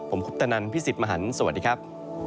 ผมคุปตนันพี่สิทธิ์มหันฯสวัสดีครับ